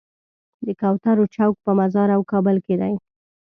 د کوترو چوک په مزار او کابل کې دی.